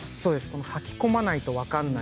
はき込まないと分かんない。